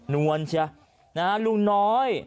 นวลเชียลุงน้อย